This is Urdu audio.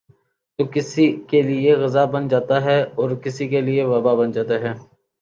تو کسی کیلئے غذا بن جاتا ہے اور کسی کیلئے وباء بن جاتا ہے ۔